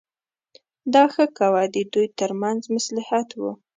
دا ښه کوه د دوی ترمنځ مصلحت و.